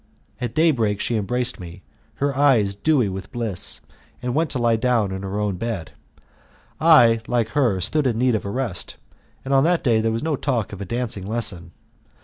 At day break she embraced me, her eyes dewy with bliss, and went to lie down in her own bed. I, like her, stood in need of a rest, and on that day there was no talk of a dancing lesson.